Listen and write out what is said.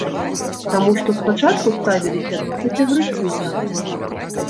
Таму што спачатку ставіліся досыць агрэсіўна.